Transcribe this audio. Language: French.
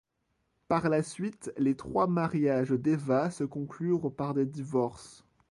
Par la suite, les trois mariages d'Eva se conclurent par des divorces.